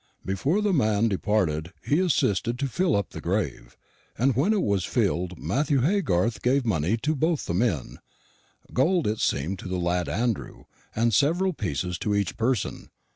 "Before the man departed he assisted to fill up the grave; and when it was filled Matthew Haygarth gave money to both the men gold it seemed to the lad Andrew, and several pieces to each person.